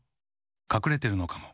かくれてるのかも。